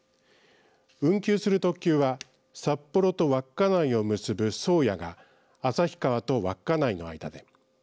運休する特急は札幌と稚内を結ぶ宗谷が旭川と稚内の間で。